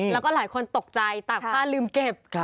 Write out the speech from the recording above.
แล้วก็หลายคนตกใจตากผ้าลืมเก็บ